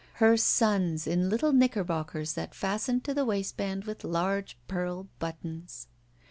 Her sons in little knickerbockers that fastened to the waistband with large pearl buttons!